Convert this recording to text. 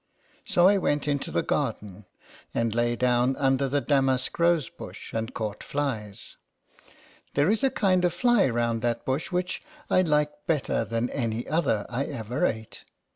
29 so I went into the garden, and lay down under the damask rose bush, and caught flies. There is a kind of fly round that bush which I like better than any other I ever ate.